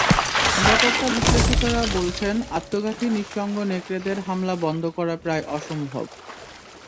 নিরাপত্তা বিশ্লেষকেরা বলছেন, আত্মঘাতী নিঃসঙ্গ নেকড়েদের হামলা বন্ধ করা প্রায় অসম্ভব।